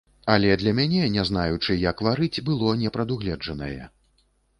Але для мяне, не знаючы, як варыць, было непрадугледжанае.